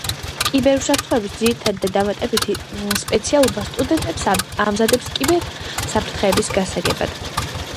კიბერუსაფრთხოების ძირითადი და დამატებითი სპეციალობა სტუდენტებს ამზადებს კიბერ საფრთხეების გასაგებად